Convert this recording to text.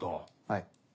はい。